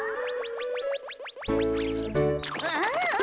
ああ。